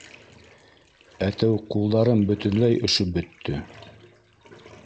Әтеү ҡулдарым бөтөнләй өшөп бөттө.